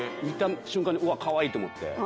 見た瞬間にうわかわいいと思って。